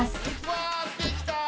わあできた！